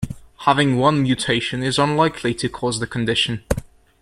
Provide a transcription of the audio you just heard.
Having one mutation is unlikely to cause the condition.